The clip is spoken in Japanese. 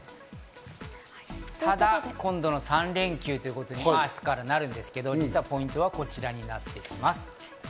ただ今度の３連休、明日からなるんですけど、ポイントはこちらになってきます。